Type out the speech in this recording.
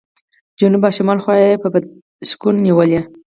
جنوب او شمال خوا یې په بد شګون نیولې.